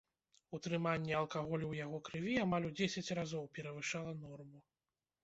Утрыманне алкаголю ў яго крыві амаль у дзесяць разоў перавышала норму.